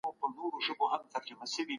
هغه فابریکي چي فعالي دي، اقتصاد پیاوړی کوي.